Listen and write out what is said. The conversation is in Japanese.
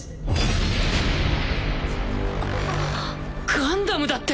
ガンダムだって？